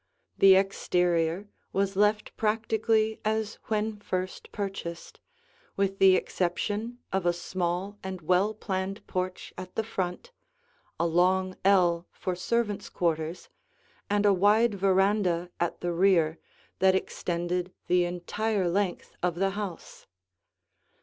The exterior was left practically as when first purchased, with the exception of a small and well planned porch at the front, a long ell for servants' quarters, and a wide veranda at the rear that extended the entire length of the house.